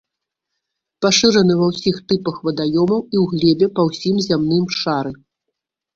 Пашыраны ва ўсіх тыпах вадаёмаў і ў глебе па ўсім зямным шары.